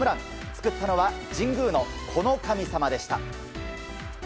作ったのは神宮のこの神様でした。